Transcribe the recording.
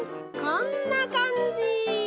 こんなかんじ！